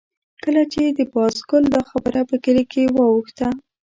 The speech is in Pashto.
کله چې د بازګل دا خبره په کلي کې واوښته.